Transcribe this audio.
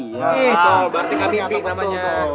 iya berarti kami atas namanya